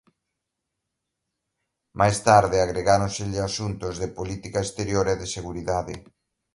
Máis tarde agregáronselle asuntos de política exterior e de seguridade.